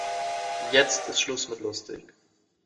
Jetzt ist Schluss mit lustig.